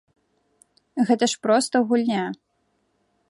Гэта ж проста гульня.